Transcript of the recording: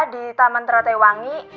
di taman teratewangi